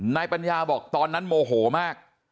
นายปัญญาบอกตอนนั้นโมโหมาก